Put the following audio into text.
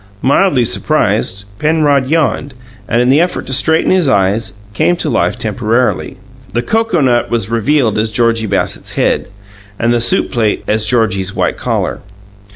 Mildly surprised, Penrod yawned, and, in the effort to straighten his eyes, came to life temporarily. The cocoanut was revealed as Georgie Bassett's head, and the soup plate as Georgie's white collar.